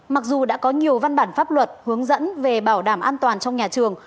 mặc dù đã có nhiều văn bản pháp luật hướng dẫn về bảo đảm an toàn trong nhà trường